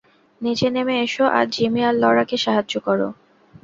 নিচে নেমে এসো আর জিমি আর লড়াকে সাহায্য কর।